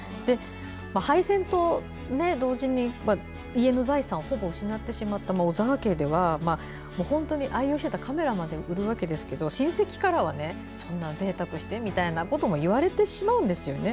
敗戦と同時に家の財産をほぼ失ってしまった小澤家では、愛用していたカメラまで売るわけですが親戚からは、そんなぜいたくしてみたいなことも言われてしまうんですよね。